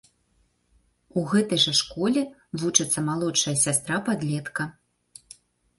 У гэтай жа школе вучыцца малодшая сястра падлетка.